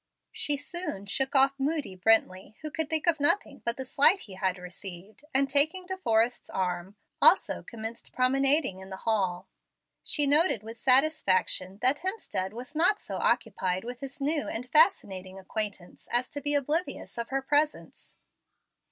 She soon shook off moody Brently, who could think of nothing but the slight he had received, and, taking De Forrest's arm, also commenced promenading in the hall. She noted, with satisfaction, that Hemstead was not so occupied with his new and fascinating acquaintance as to be oblivious of her presence.